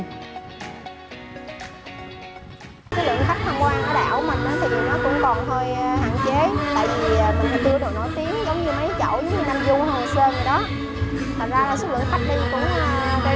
cái lượng khách tham quan ở đảo của mình thì nó cũng còn hơi hạn chế